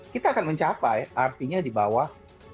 kita akan mencapai artinya di bawah